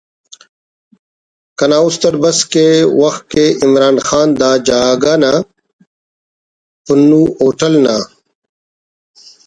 کنا اُست اٹ بس کہ وَخ کہ عمران خان دا جاگہ نا ”پنو ہوٹل“ نا